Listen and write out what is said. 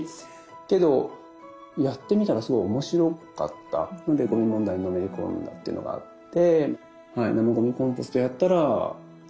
けどやってみたらすごい面白かったのでゴミ問題にのめり込んだっていうのがあって。